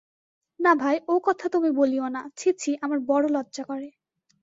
না ভাই, ও কথা তুমি বলিয়ো না–ছি ছি, আমার বড়ো লজ্জা করে।